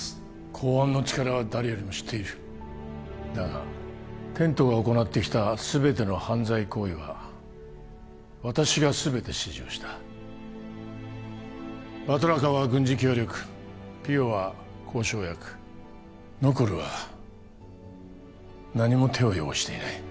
公安の力は誰よりも知っているだがテントが行ってきた全ての犯罪行為は私が全て指示をしたバトラカは軍事協力ピヨは交渉役ノコルは何も手を汚していない